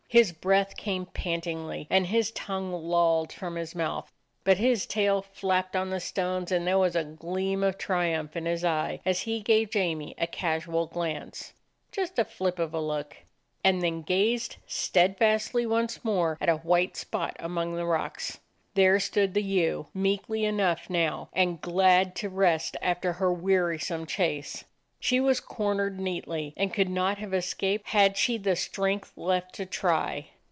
His breath came pantingly, and his tongue lolled from his mouth. But his tail flapped on the stones, and there was a gleam of triumph in his eye as he gave Jamie a casual glance — just a flip of a look — and then gazed steadfastly once more at a white spot among the rocks. There stood the ewe, meekly enough now, and glad to rest after her wearisome chase. She was cornered neatly and could not have es caped had she the strength left to try.